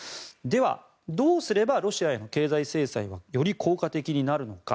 では、どうすればロシアへの経済制裁はより効果的になるのか。